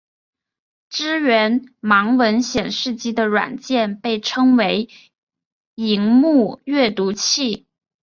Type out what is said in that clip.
支援盲文显示机的软件被称为萤幕阅读器。